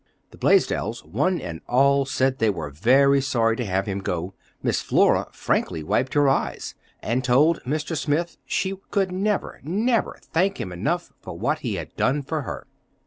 The Blaisdells, one and all, said they were very sorry to have him go. Miss Flora frankly wiped her eyes, and told Mr. Smith she could never, never thank him enough for what he had done for her.